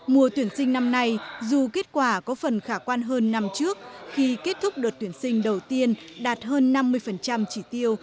mùa tuyển sinh năm nay dù kết quả có phần khả quan hơn năm trước khi kết thúc đợt tuyển sinh đầu tiên đạt hơn năm mươi chỉ tiêu